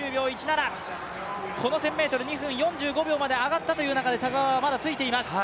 この１０００ｍ２分４５秒まで上がったという中で、田澤はまだついています。